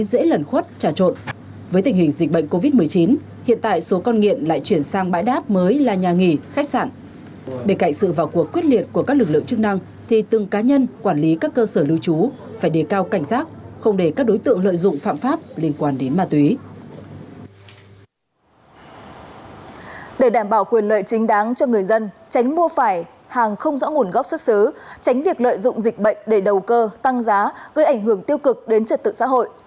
để đảm bảo quyền lợi chính đáng cho người dân tránh mua phải hàng không rõ nguồn gốc xuất xứ tránh việc lợi dụng dịch bệnh để đầu cơ tăng giá gây ảnh hưởng tiêu cực đến trật tự xã hội